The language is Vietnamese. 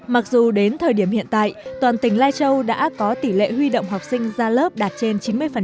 mặc dù đến thời điểm hiện tại toàn tỉnh lai châu đã có tỷ lệ huy động học sinh ra lớp đạt trên chín mươi